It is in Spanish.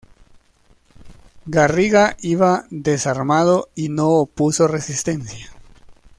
Garriga iba desarmado y no opuso resistencia.